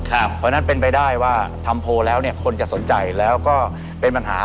เพราะฉะนั้นเป็นไปได้ว่าทำโพลแล้วเนี่ยคนจะสนใจแล้วก็เป็นปัญหา